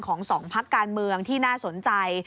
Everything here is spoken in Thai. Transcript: สองพักการเมืองที่น่าสนใจ